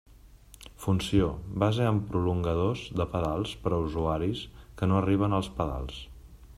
Funció: base amb prolongadors de pedals per a usuaris que no arriben als pedals.